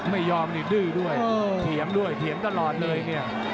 ไม่ยอมนี่ดื้อด้วยเถียงด้วยเถียงตลอดเลยเนี่ย